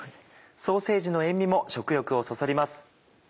ソーセージの塩みも食欲をそそります。